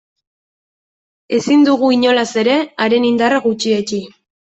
Ezin dugu, inolaz ere, haren indarra gutxietsi.